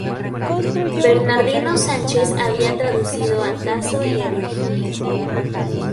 Bernardino Sánchez había traducido a Tasso y a Virgilio.